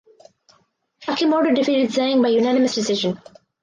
Akimoto defeated Zhang by unanimous decision.